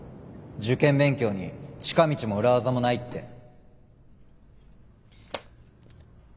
受験勉強に近道も裏技もないって。